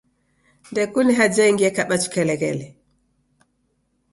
Ndekune haja ingi ekaba chukeleghele.